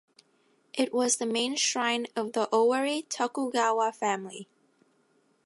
It was the main shrine of the Owari Tokugawa family.